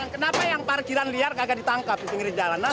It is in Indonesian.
kenapa yang parkiran liar kagak ditangkap di pinggir jalan